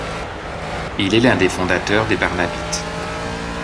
Il est l'un des fondateurs des Barnabites.